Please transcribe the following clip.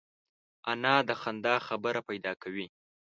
انا د خندا خبره پیدا کوي